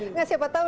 enggak siapa tahu